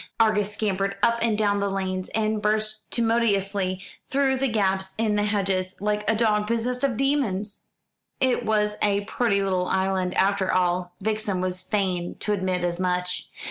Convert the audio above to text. Argus scampered up and down the lanes, and burst tumultuously through gaps in the hedges, like a dog possessed of demons. It was a pretty little island, after all; Vixen was fain to admit as much.